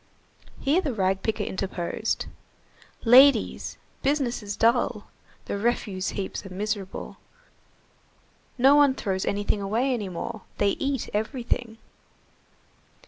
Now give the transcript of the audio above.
Here the rag picker interposed:— "Ladies, business is dull. The refuse heaps are miserable. No one throws anything away any more. They eat everything."